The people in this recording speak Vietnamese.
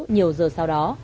nhiều giờ sau đó